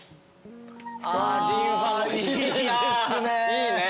いいね。